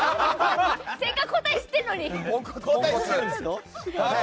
せっかく答え知ってるのに。